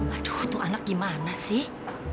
aduh tuh anak gimana sih